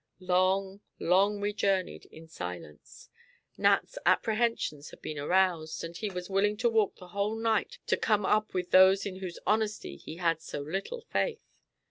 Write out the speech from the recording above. Long long, we journeyed in silence. Nat's apprehensions had been aroused, and he was willing to walk the whole night to come up with those in whose honesty he had so little faith.